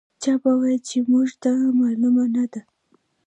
چا به ویل چې موږ ته معلومه نه ده.